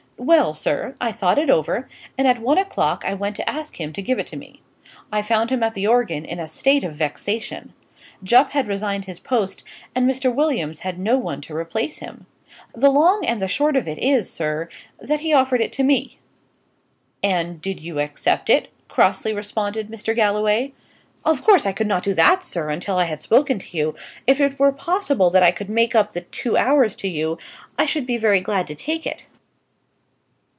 Well, sir, I thought it over, and at one o'clock I went to ask him to give it to me. I found him at the organ, in a state of vexation. Jupp had resigned his post, and Mr. Williams had no one to replace him. The long and the short of it is, sir, that he offered it to me." "And did you accept it?" crossly responded Mr. Galloway. "Of course I could not do that, sir, until I had spoken to you. If it were possible that I could make up the two hours to you, I should be very glad to take it."